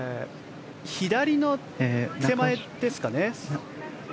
左の手前ですかね。